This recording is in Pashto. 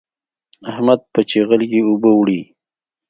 احمد په چيغل کې اوبه وړي.